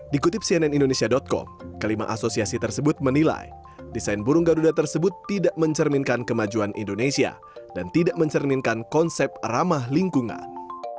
dikutip cnn indonesia com kelima asosiasi tersebut menilai desain burung garuda tersebut tidak mencerminkan kemajuan indonesia dan tidak mencerminkan konsep ramah lingkungan